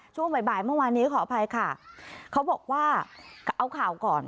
ช่วงบ่ายบ่ายเมื่อวานนี้ขออภัยค่ะเขาบอกว่าเอาข่าวก่อน